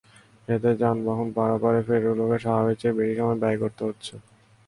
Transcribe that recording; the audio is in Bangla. এতে যানবাহন পারাপারে ফেরিগুলোকে স্বাভাবিকের চেয়ে বেশি সময় ব্যয় করতে হচ্ছে।